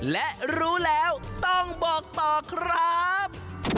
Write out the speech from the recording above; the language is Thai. และรู้แล้วต้องบอกต่อครับ